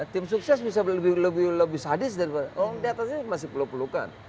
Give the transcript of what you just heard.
tim sukses bisa lebih sadis daripada diatasnya masih peluk pelukan